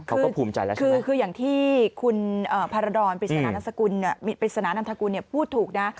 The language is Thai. เขาก็ภูมิใจแล้วใช่ไหมอาศัยย์คืออย่างที่คุณพระรอนปริศนานัมทรกูลพูดถูกนะ